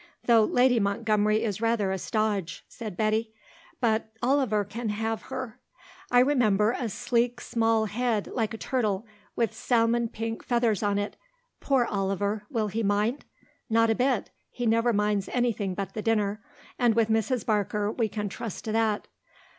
Though Lady Montgomery is rather a stodge," said Betty; "but Oliver can have her." "I remember, a sleek, small head like a turtle with salmon pink feathers on it. Poor Oliver. Will he mind?" "Not a bit. He never minds anything but the dinner; and with Mrs. Barker we can trust to that."